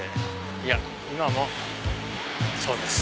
いや今もそうです。